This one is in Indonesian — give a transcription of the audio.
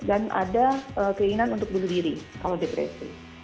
dan ada keinginan untuk bunuh diri kalau depresi